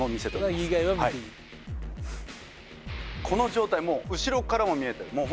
この状態もう後ろからも見えてる。